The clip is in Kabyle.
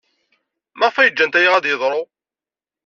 Maɣef ay ǧǧant aya ad d-yeḍru?